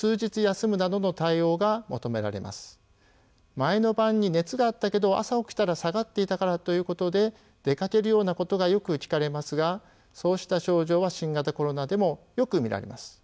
前の晩に熱があったけど朝起きたら下がっていたからということで出かけるようなことがよく聞かれますがそうした症状は新型コロナでもよく見られます。